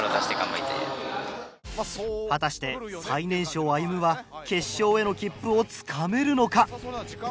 果たして最年少ＡＹＵＭＵは決勝への切符をつかめるのか？